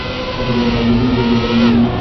যান, জলদি তাকে নিয়ে আসেন।